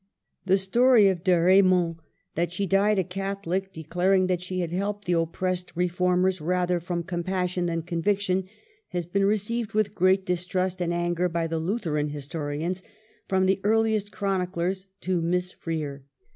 The story of De Re mond that she died a Catholic, declaring that she had helped the oppressed Reformers rather from compassion than conviction, has been re ceived with great distrust and anger by the Lutheran historians, from the earliest chroni clers to Miss Freer.